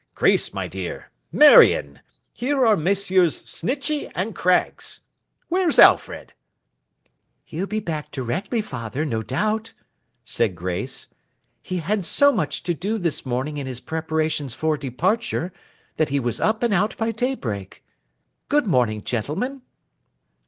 Grace, my dear! Marion! Here are Messrs. Snitchey and Craggs. Where's Alfred!' 'He'll be back directly, father, no doubt,' said Grace. 'He had so much to do this morning in his preparations for departure, that he was up and out by daybreak. Good morning, gentlemen.